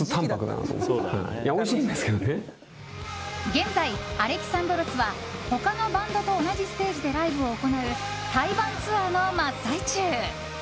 現在［Ａｌｅｘａｎｄｒｏｓ］は他のバンドと同じステージでライブを行う対バンツアーの真っ最中。